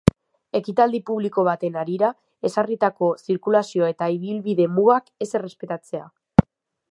Ekitaldi publiko baten harira ezarritako zirkulazio eta ibilbide mugak ez errespetatzea.